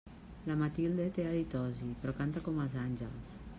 La Matilde té halitosi, però canta com els àngels.